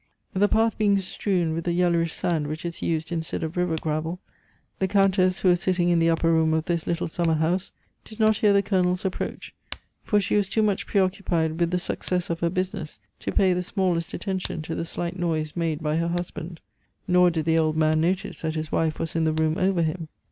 The path being strewn with the yellowish sand which is used instead of river gravel, the Countess, who was sitting in the upper room of this little summer house, did not hear the Colonel's approach, for she was too much preoccupied with the success of her business to pay the smallest attention to the slight noise made by her husband. Nor did the old man notice that his wife was in the room over him.